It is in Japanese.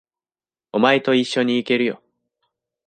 お前と一緒に行けるよ。